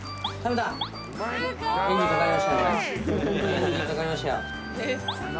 エンジンかかりました今。